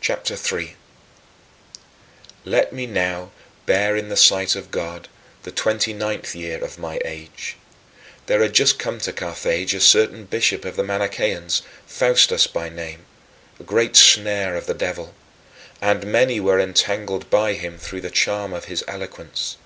CHAPTER III 3. Let me now lay bare in the sight of God the twenty ninth year of my age. There had just come to Carthage a certain bishop of the Manicheans, Faustus by name, a great snare of the devil; and many were entangled by him through the charm of his eloquence.